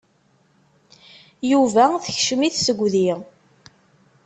Yuba tekcem-it tegdi.